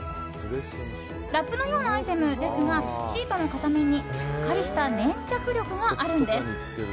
ラップのようなアイテムですがシートの片面にしっかりした粘着力があるんです。